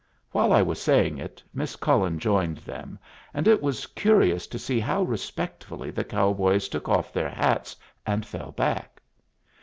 While I was saying it, Miss Cullen joined them, and it was curious to see how respectfully the cowboys took off their hats and fell back.